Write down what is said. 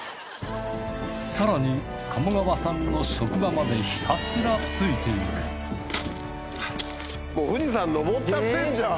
更に鴨川さんの職場までひたすらついて行くもう富士山登っちゃってんじゃん。